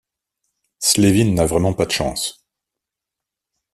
Slevin n'a vraiment pas de chance.